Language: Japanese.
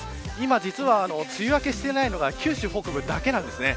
今、実は梅雨明けしていないのが九州北部だけなんですね。